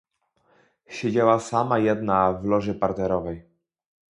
Siedziała sama jedna w loży parterowej.